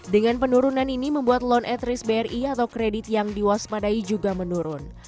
dengan penurunan ini membuat loan at risk bri atau kredit yang diwaspadai juga menurun